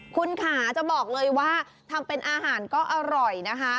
คุณค่ะจะบอกเลยว่าทำเป็นอาหารก็อร่อยนะคะ